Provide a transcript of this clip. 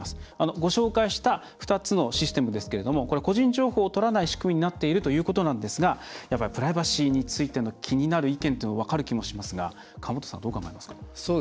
ご紹介した２つのシステムですが個人情報をとらない仕組みになっているということなんですがプライバシーについての気になる意見というのは分かる気もしますが河本さん、どう考えますか？